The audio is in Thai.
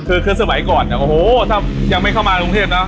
คือคือสมัยก่อนเนี่ยโอ้โหถ้ายังไม่เข้ามากรุงเทพนะ